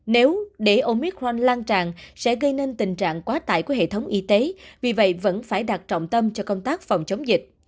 nếu để omitrak lan tràn sẽ gây nên tình trạng quá tải của hệ thống y tế vì vậy vẫn phải đặt trọng tâm cho công tác phòng chống dịch